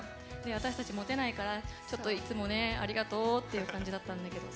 私たち持てないからちょっといつもありがとうって感じだったんだけど。